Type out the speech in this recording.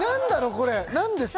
これ何ですか？